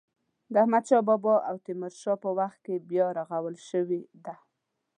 د احمد شا بابا او تیمور شاه په وخت کې بیا رغول شوې ده.